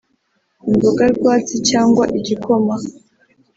imbogarwatsi cyangwa igikoma